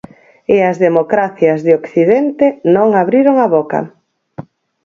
E as democracias de Occidente non abriron a boca.